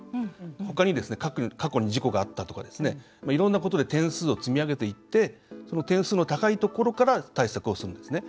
ほかに、過去に事故があったとかいろんなことで点数を積み上げていってその点数の高いところから対策をするんですね。